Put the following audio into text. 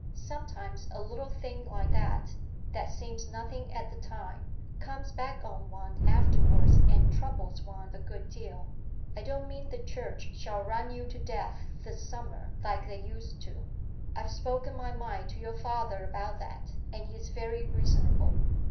Sometimes a little thing like that, that seems nothing at the time, comes back on one afterward and troubles one a good deal. I don't mean the church shall run you to death this summer, like they used to. I've spoken my mind to your father about that, and he's very reasonable.